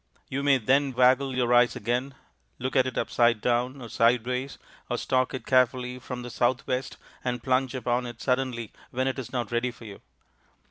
You may then waggle your eyes again, look at it upside down or sideways, or stalk it carefully from the southwest and plunge upon it suddenly when it is not ready for you.